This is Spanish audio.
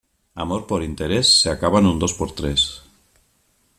Amor por interés, se acaba en un dos por tres.